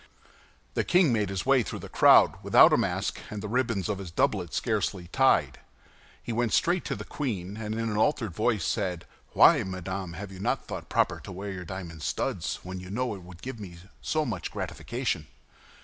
The king made his way through the crowd without a mask, and the ribbons of his doublet scarcely tied. He went straight to the queen, and in an altered voice said, "Why, madame, have you not thought proper to wear your diamond studs, when you know it would give me so much gratification?"